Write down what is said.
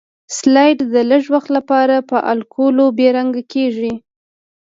سلایډ د لږ وخت لپاره په الکولو بې رنګ کیږي.